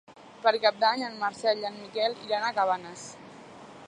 Per Cap d'Any en Marcel i en Miquel iran a Cabanes.